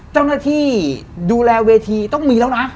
เจ้าหน้าที่ดูแลเวทีต้องมีแล้วนะ